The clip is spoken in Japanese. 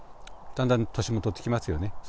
だんだん年も取ってきますよね。